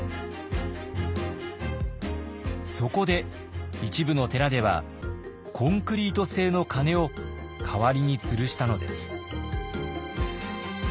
そこで一部の寺ではコンクリート製の鐘を代わりにつるしたのです。